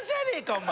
お前。